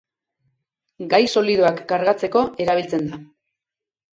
Gai solidoak kargatzeko erabiltzen da.